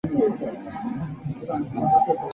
此后他担任了一系列社会职务。